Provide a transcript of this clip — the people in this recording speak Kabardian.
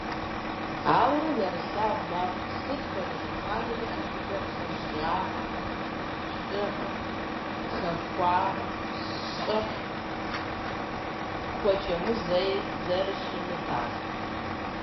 Ауэрэ нэрылъагъу мэхъу, сыт хуэдэ лъэхъэнэми адыгэр хъыжьагъэ, лӏыгъэ, хахуагъэ, щӏыхь, хуэчэму зэи зэрыщымытар.